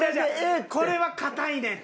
これは硬いねん。